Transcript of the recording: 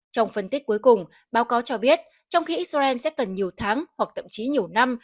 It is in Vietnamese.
trong phân tích cuối cùng báo cáo cho biết trong khi israel sẽ cần nhiều tháng hoặc tậm chí nhiều năm